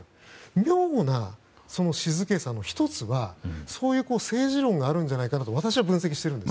妙な静けさの１つは、そういう政治論があるんじゃないかと私は分析しているんです。